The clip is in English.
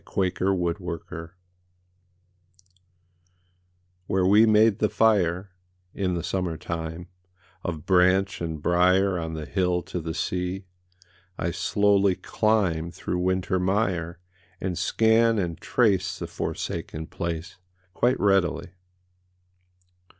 WHERE THE PICNIC WAS WHERE we made the fire, In the summer time, Of branch and briar On the hill to the sea I slowly climb Through winter mire, And scan and trace The forsaken place Quite readily.